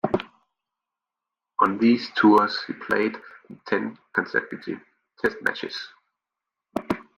On these tours he played in ten consecutive test matches.